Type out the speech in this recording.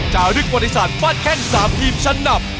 จารึกบริษัทฟาดแข้ง๓ทีมชั้นนำ